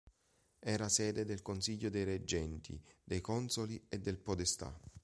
Era sede del Consiglio dei Reggenti, dei Consoli e del Podestà.